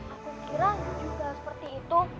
aku kira juga seperti itu